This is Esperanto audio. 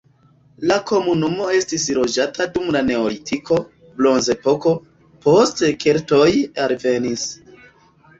La komunumo estis loĝata dum la neolitiko, bronzepoko, poste keltoj alvenis.